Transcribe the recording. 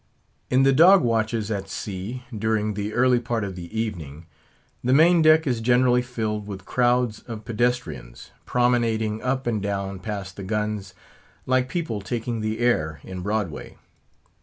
In the dog watches at sea, during the early part of the evening, the main deck is generally filled with crowds of pedestrians, promenading up and down past the guns, like people taking the air in Broadway.